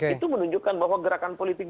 itu menunjukkan bahwa gerakan politik